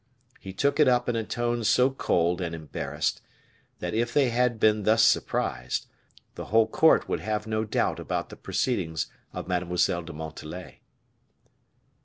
He took it up in a tone so cold and embarrassed, that if they had been thus surprised, the whole court would have no doubt about the proceedings of Mademoiselle de Montalais.